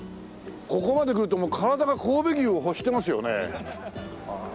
ここまでくるともう体が神戸牛を欲してますよね。